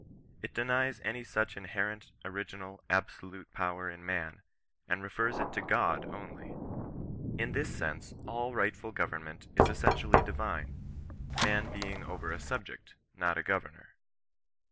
It denies any such inherent, original, absolute power in man, and refers it to Ood only. In this sense all rightful government is essentially divine; man being ever a subject — ^not a governor.